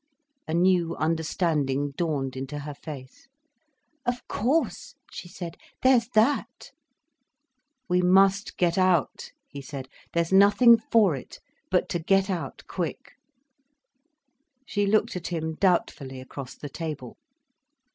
A new understanding dawned into her face. "Of course," she said, "there's that." "We must get out," he said. "There's nothing for it but to get out, quick." She looked at him doubtfully across the table.